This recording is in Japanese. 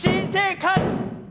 新生活！